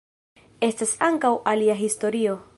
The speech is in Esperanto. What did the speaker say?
Estas ankaŭ alia historio.